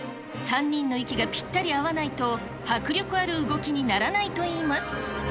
３人の息がぴったり合わないと、迫力ある動きにならないといいます。